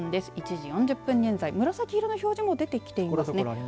１時４０分現在、紫色の表示も出てきていますね。